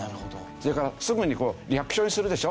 それからすぐにこう略称にするでしょ。